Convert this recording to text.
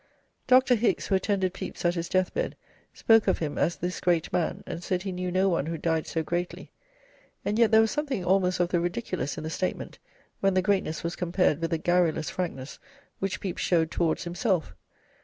Dr. Hickes, who attended Pepys at his deathbed, spoke of him as 'this great man,' and said he knew no one who died so greatly. And yet there was something almost of the ridiculous in the statement when the 'greatness' was compared with the garrulous frankness which Pepys showed towards himself.